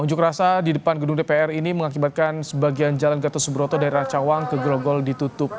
ya ujuk rasa di depan gedung dpr ini mengakibatkan sebagian jalan gata subroto dari raja wang ke gerogol ditutup